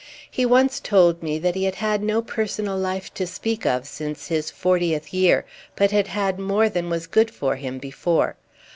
He once told me that he had had no personal life to speak of since his fortieth year, but had had more than was good for him before.